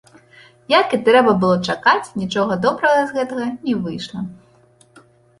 Як і трэба было чакаць, нічога добрага з гэтага не выйшла.